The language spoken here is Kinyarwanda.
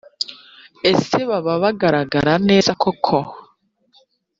ese baba bagaragara neza koko?